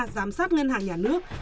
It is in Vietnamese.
giám sát ngân hàng nhà nước